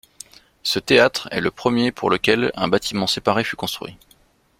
Ce théâtre est le premier pour lequel un bâtiment séparé fut construit.